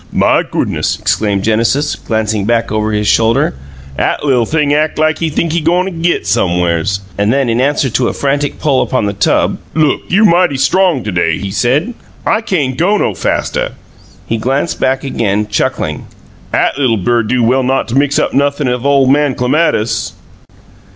"My goo'ness!" exclaimed Genesis, glancing back over his shoulder. "'At li'l' thing ack like he think he go'n a GIT somewheres!" And then, in answer to a frantic pull upon the tub, "Look like you mighty strong t'day," he said. "I cain' go no fastuh!" He glanced back again, chuckling. "'At li'l' bird do well not mix up nothin' 'ith ole man Clematis!"